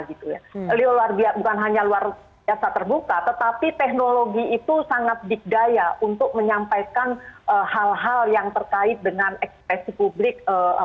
beliau bukan hanya luar biasa terbuka tetapi teknologi itu sangat dikdaya untuk menyampaikan hal hal yang terkait dengan ekspresi publik